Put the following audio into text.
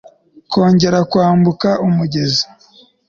Kongera Kwambuka Umugezi